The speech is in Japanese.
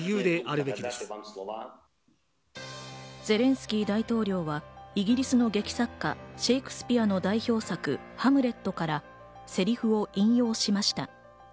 ゼレンスキー大統領はイギリスの劇作家シェイクスピアの代表作『ハムレット』からセリフを引用しました。